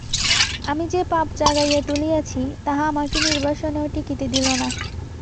আমি যে-পাপ জাগাইয়া তুলিয়াছি, তাহা আমাকে নির্বাসনেও টিকিতে দিল না।